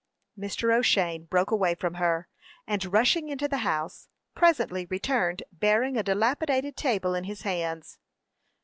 Mr. O'Shane broke away from her, and, rushing into the house, presently returned bearing a dilapidated table in his hands.